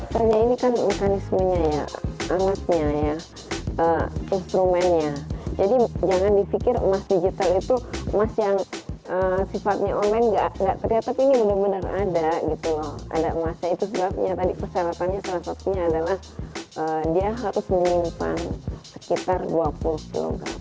ternyata ini kan mekanismenya ya alatnya ya instrumennya jadi jangan dipikir emas digital itu emas yang sifatnya online nggak terlihat tapi ini benar benar ada gitu lho ada emasnya itu sebabnya tadi persyaratannya salah satunya adalah dia harus menyimpan sekitar dua puluh kg